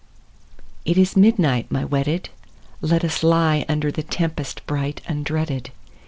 It is midnight, my wedded ; Let us lie under The tempest bright undreaded.